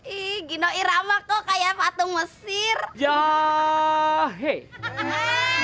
ii gino irama kok kayak patung mesir jahe